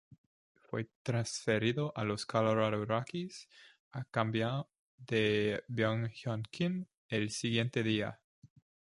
Fue transferido a los Colorado Rockies a cambio de Byung-Hyun Kim el siguiente día.